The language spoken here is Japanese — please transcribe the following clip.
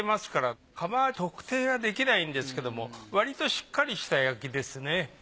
窯は特定ができないんですけどもわりとしっかりした焼きですね。